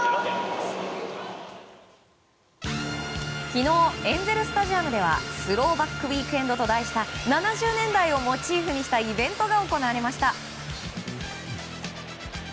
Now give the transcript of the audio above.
昨日エンゼル・スタジアムではスローバック・ウィークエンドと題した７０年代をモチーフにしたイベントが行われました。